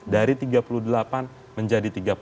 dari tiga puluh delapan menjadi tiga puluh